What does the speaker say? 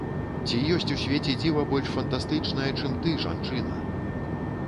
Ці ёсць у свеце дзіва больш фантастычнае, чым ты, жанчына!